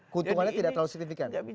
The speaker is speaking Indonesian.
keuntungannya tidak terlalu signifikan